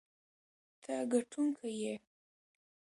ته ګټونکی یې.